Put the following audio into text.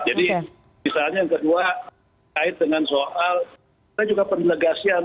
jadi misalnya yang kedua terkait dengan soal penegasian